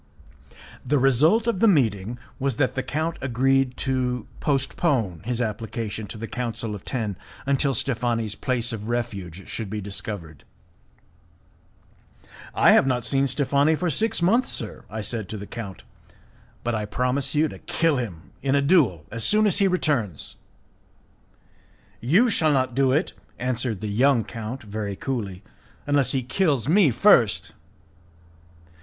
The result of the meeting was that the count agreed to postpone his application to the Council of Ten until Steffani's place of refuge should be discovered. "I have not seen Steffani for six months, sir," I said to the count, "but I promise you to kill him in a duel as soon as he returns." "You shall not do it," answered the young count, very coolly, "unless he kills me first."